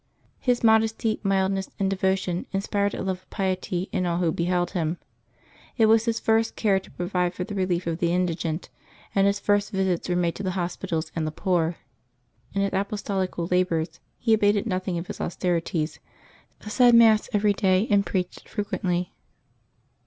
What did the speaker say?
His modesty, mildness, and devotion in spired a love of piety in all who beheld him. It was his first care to provide for the relief of the indigent, and his first visits were made to the hospitals and the poor. In his apostolical labors, he abated nothing of his austerities, said Mass every day, and preached frequently.